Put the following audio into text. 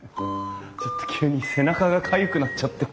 ちょっと急に背中がかゆくなっちゃって。